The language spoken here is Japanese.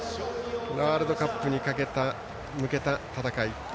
ワールドカップに向けた戦い。